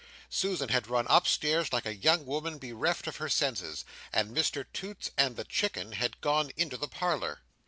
Susan had run upstairs like a young woman bereft of her senses, and Mr Toots and the Chicken had gone into the Parlour.